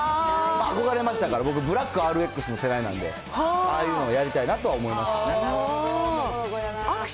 憧れましたから、ブラックの世代なんで、ああいうのやりたいなとは思いました。